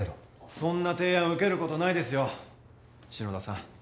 そんな提案受けることないですよ篠田さん。